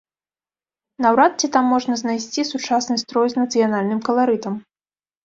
Наўрад ці там можна знайсці сучасны строй з нацыянальным каларытам.